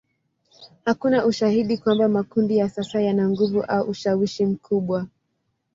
Hakuna ushahidi kwamba makundi ya sasa yana nguvu au ushawishi mkubwa.